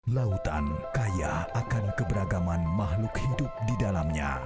lautan kaya akan keberagaman makhluk hidup di dalamnya